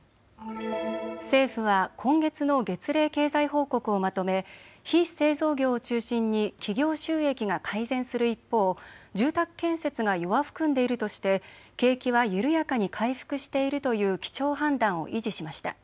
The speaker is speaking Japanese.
政府は今月の月例経済報告をまとめ非製造業を中心に企業収益が改善する一方、住宅建設が弱含んでいるとして景気は緩やかに回復しているという基調判断を維持しました。